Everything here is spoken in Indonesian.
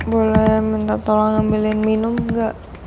boleh minta tolong ambilin minum gak